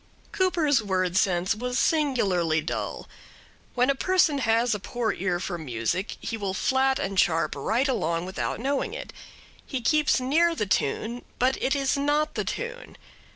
Cooper's word sense was singularly dull. When a person has a poor ear for music he will flat and sharp right along without knowing it. He keeps near the tune, but it is not the tune.